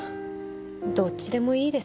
どっちでもいいです。